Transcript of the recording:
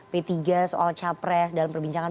p tiga soal capres dalam perbincangan